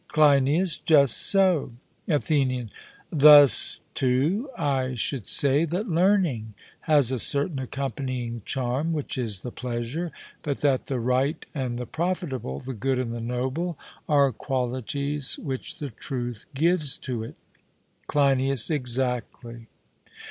CLEINIAS: Just so. ATHENIAN: Thus, too, I should say that learning has a certain accompanying charm which is the pleasure; but that the right and the profitable, the good and the noble, are qualities which the truth gives to it. CLEINIAS: Exactly.